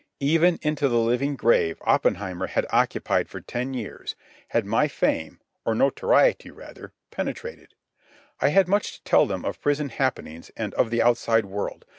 Even into the living grave Oppenheimer had occupied for ten years had my fame, or notoriety, rather, penetrated. I had much to tell them of prison happenings and of the outside world.